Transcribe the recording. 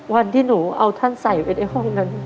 วันที่หนูเอาท่านใส่ไว้ในห้องนั้น